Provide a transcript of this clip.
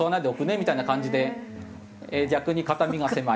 みたいな感じで逆に肩身が狭い。